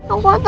aku gak mau